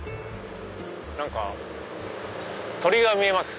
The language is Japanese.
何か鳥が見えます。